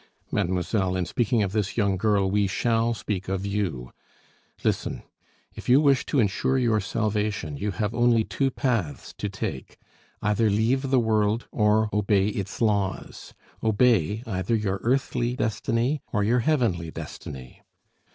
"Mademoiselle, in speaking of this young girl we shall speak of you. Listen! If you wish to insure your salvation you have only two paths to take, either leave the world or obey its laws. Obey either your earthly destiny or your heavenly destiny."